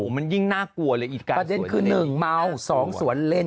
มันยิ่งน่ากลัวเลยอีกการสวนเล่นประเด็นคือ๑เมา๒สวนเล่น